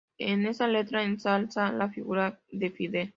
En esta letra ensalza la figura de Fidel.